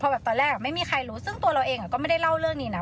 แบบตอนแรกไม่มีใครรู้ซึ่งตัวเราเองก็ไม่ได้เล่าเรื่องนี้นะ